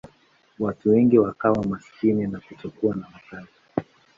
Watu wengi wakawa maskini na kutokuwa na makazi.